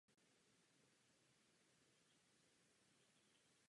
Dřívější stará budova nemocnice nyní slouží jako kulturní centrum s knihovnou.